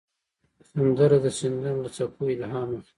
سندره د سیندونو له څپو الهام اخلي